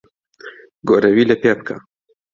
گۆرەوی لەپێ بکە.